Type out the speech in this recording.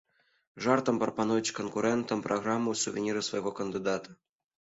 Жартам прапануюць канкурэнтам праграму і сувеніры свайго кандыдата.